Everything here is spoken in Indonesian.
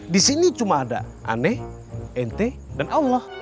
di sini cuma ada aneh ente dan allah